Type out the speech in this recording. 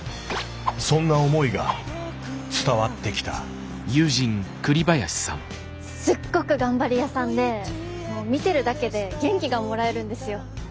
そんな思いが伝わってきたすっごく頑張り屋さんでもう見てるだけで元気がもらえるんですよ。